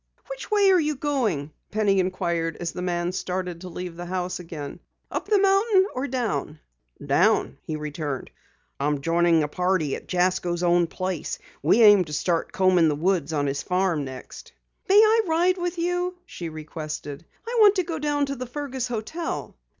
"Which way are you going?" Penny inquired as the man started to leave the house again. "Up the mountain or down?" "Down," he returned. "I'm joining a party at Jasko's own place. We aim to start combing the woods on his farm next." "May I ride with you?" she requested. "I want to go down to the Fergus hotel."